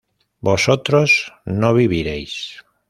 vosotros no viviréis